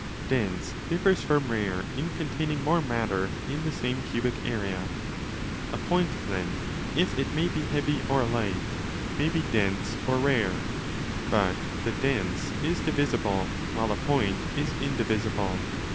Dense differs from rare in containing more matter in the same cubic area. A point, then, if it may be heavy or light, may be dense or rare. But the dense is divisible while a point is indivisible.